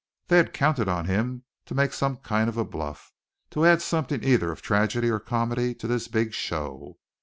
They had counted on him to make some kind of a bluff, to add something either of tragedy or comedy to this big show.